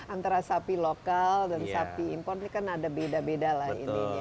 antara sapi lokal dan sapi impor ini kan ada beda beda lah ininya